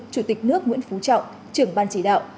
chủ tịch nước nguyễn phú trọng trưởng ban chỉ đạo